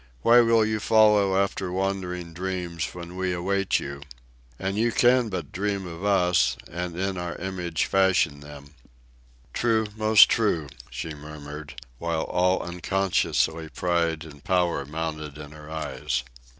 Why will you follow after wandering dreams When we await you? And you can but dream Of us, and in our image fashion them.'" "True, most true," she murmured, while all unconsciously pride and power mounted in her eyes.